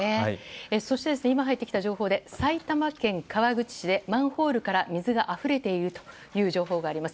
そして、今入ってきた情報で埼玉県川口市でマンホールから水があふれているという情報があります。